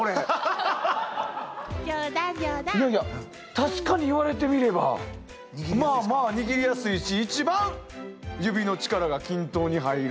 確かに言われてみればまあまあ握りやすいし一番指の力が均等に入る。